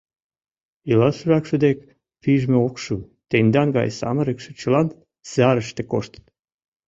— Илалшыракше дек пижме ок шу, тендан гай самырыкше чылан сарыште коштыт.